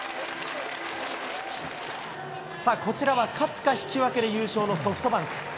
さあ、こちらは勝つか引き分けで優勝のソフトバンク。